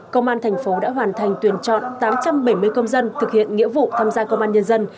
công an thành phố đã hoàn thành tuyển chọn tám trăm bảy mươi công dân thực hiện nghĩa vụ tham gia công an nhân dân